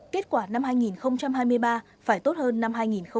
kết quả năm hai nghìn hai mươi ba phải tốt hơn năm hai nghìn hai mươi ba